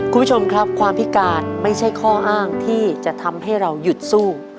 คุณผู้ชมครับความพิการไม่ใช่ข้ออ้างที่จะทำให้เราหยุดสู้